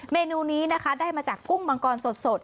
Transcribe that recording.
เมนูนี้นะคะได้มาจากกุ้งมังกรสด